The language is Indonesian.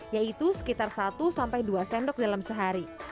yaitu sekitar satu sampai dua sendok dalam sehari